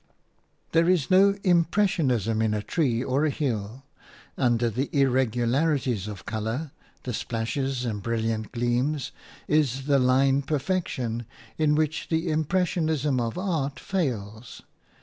There is no impressionism in a tree or a hill; under the irregularities of colour, the splashes and brilliant gleams, is the line perfection in which the impressionism of art fails.